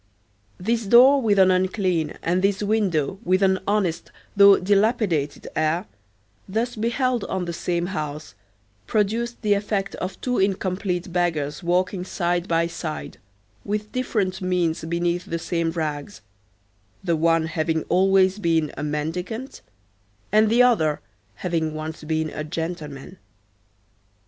This door with an unclean, and this window with an honest though dilapidated air, thus beheld on the same house, produced the effect of two incomplete beggars walking side by side, with different miens beneath the same rags, the one having always been a mendicant, and the other having once been a gentleman.